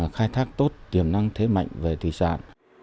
khai thác tốt tiềm năng thế mạnh về thủy sản